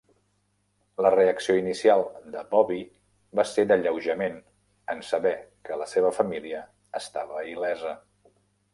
La reacció inicial de Bobby va ser d'alleujament en saber que la seva família estava il·lesa.